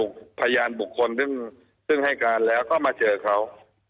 พยานบุคคลซึ่งให้การแล้วก็มาเจอเขา